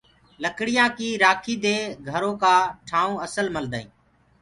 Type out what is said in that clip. لڙيآ ڪي رآکي دي گھرو ڪآ ٺآئونٚ اسل ملدآ هينٚ۔